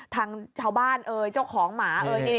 ทางชาวบ้านเจ้าของหมา